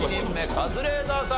カズレーザーさん